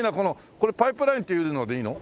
これパイプラインっていうのでいいの？